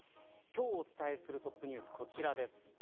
今日お伝えするトップニュースこちらです。